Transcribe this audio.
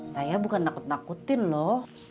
saya bukan nakut nakutin loh